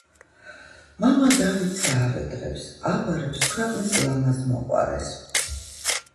მამადავითსა ავედრებს აბარებს ქვეყნის ლამაზ მოყვარეს.